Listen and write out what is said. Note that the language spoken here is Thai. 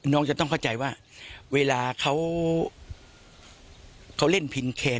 น้องจะต้องเข้าใจว่าเวลาเขาเล่นพินแคน